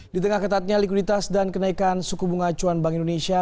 di tengah ketatnya likuiditas dan kenaikan suku bunga acuan bank indonesia